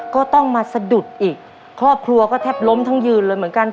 ก็ต้องมาสะดุดอีกครอบครัวก็แทบล้มทั้งยืนเลยเหมือนกัน